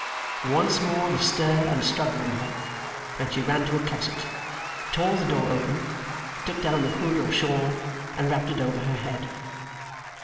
Once more the stir and struggle in her, and she ran to a closet, tore the door open, took down a hood or shawl, and wrapped it over her head.